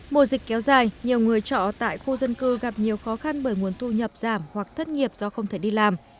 mùa dịch kéo dài nhiều người trọ tại khu dân cư gặp nhiều khó khăn bởi nguồn thu nhập giảm hoặc thất nghiệp do không thể đi làm